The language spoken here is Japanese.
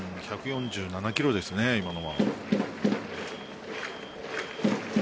１４７キロですね、今のは。